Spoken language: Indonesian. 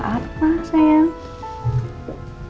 assalamualaikum warahmatullahi wabarakatuh